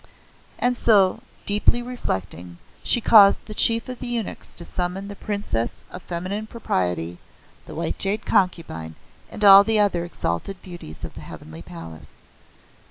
And so, deeply reflecting, she caused the Chief of the Eunuchs to summon the Princess of Feminine Propriety, the White Jade Concubine and all the other exalted beauties of the Heavenly Palace.